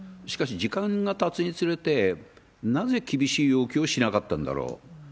しかし、時間がたつにつれて、なぜ厳しい要求をしなかったんだろう。